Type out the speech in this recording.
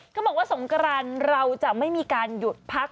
เขาบอกว่าสงกรานเราจะไม่มีการหยุดพัก